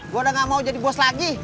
gue udah gak mau jadi bos lagi